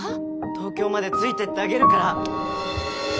東京までついてってあげるから。